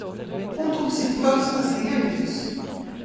Hon tog sitt första steg nyss.